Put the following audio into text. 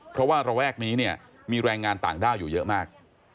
เพราะว่าระแวกนี้เนี่ยมีแรงงานต่างด้าวอยู่เยอะมาก